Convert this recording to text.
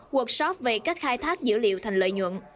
workshop về cách khai thác dữ liệu thành lợi nhuận